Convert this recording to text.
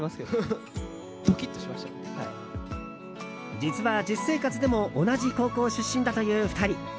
実は、実生活でも同じ高校出身だという２人。